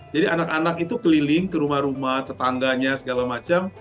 jadi anak anak itu keliling ke rumah rumah tetangganya segala macam